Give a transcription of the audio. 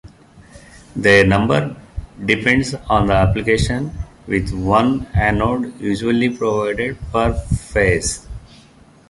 Their number depends on the application, with one anode usually provided per phase.